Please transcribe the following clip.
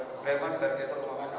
perempang bergelombang mana